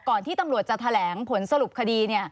ที่ตำรวจจะแถลงผลสรุปคดี